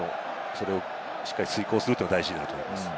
それをしっかり遂行するのが大事になってきます。